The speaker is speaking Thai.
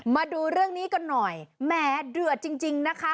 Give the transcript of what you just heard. มาดูเรื่องนี้กันหน่อยแหมเดือดจริงจริงนะคะ